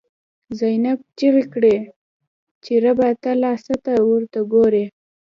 «زینب» چیغی کړی چه ربه، ته لا څه ته ورته گوری